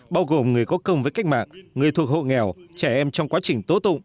bao gồm người có công với cách mạng người thuộc hộ nghèo trẻ em trong quá trình tố tụng